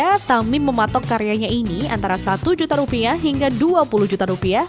ya tamim mematok karyanya ini antara satu juta rupiah hingga dua puluh juta rupiah